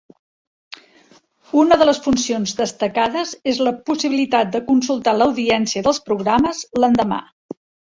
Una de les funcions destacades és la possibilitat de consultar l'audiència dels programes l'endemà.